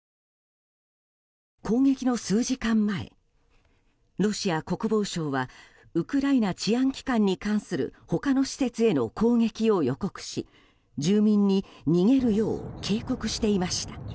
攻撃の数時間前、ロシア国防省はウクライナ治安機関に関する他の施設への攻撃を予告し、住民に逃げるよう警告していました。